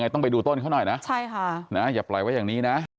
ต้องไปดูว่าต้องอย่างนี้นะ